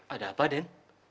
ada apa den